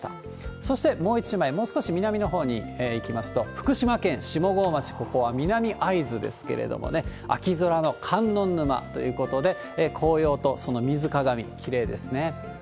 そして、もう一枚、もう少し南のほうに行きますと、福島県下郷町、ここは南会津ですけれどもね、秋空の観音沼ということで、紅葉とその水鏡、きれいですね。